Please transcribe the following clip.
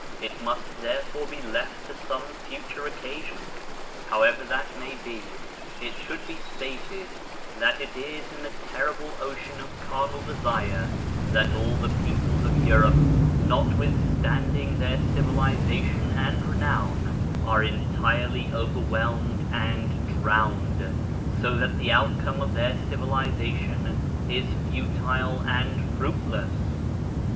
It must therefore be left to some future occasion. However that may be, it should be stated that it is in the terrible ocean of carnal desire that all the peoples of Europe, notwithstanding their civilization and renown, are entirely overwhelmed and drowned, so that the outcome of their civiliza tion is futile and fruitless.